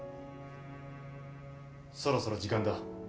そろそろ時間だ。